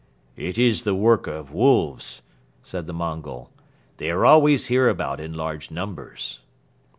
"It is the work of wolves," said the Mongol. "They are always hereabout in large numbers."